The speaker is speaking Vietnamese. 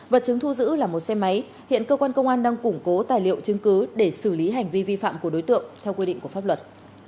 vật chứng thu giữ là một xe máy hiện cơ quan công an đang củng cố tài liệu chứng cứ để xử lý hành vi vi phạm của đối tượng theo quy định của pháp luật